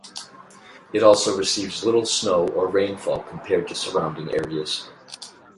It also receives little snow or rainfall compared to surrounding areas.